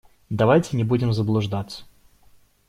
Давайте не будем заблуждаться.